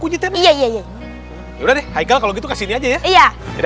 ya udah deh kalau gitu kasih ajaidah